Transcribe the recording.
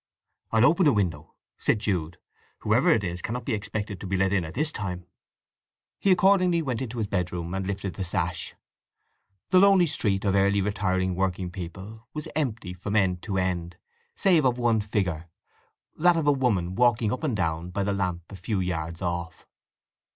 "I'll open a window," said Jude. "Whoever it is cannot be expected to be let in at this time." He accordingly went into his bedroom and lifted the sash. The lonely street of early retiring workpeople was empty from end to end save of one figure—that of a woman walking up and down by the lamp a few yards off.